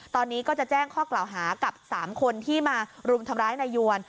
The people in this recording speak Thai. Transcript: ตอนนี้ก็จะแจ้งข้อกล่าวหากับ๓คนที่มารุมทำร้ายนายยวน